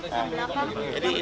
tundukkan kamera bang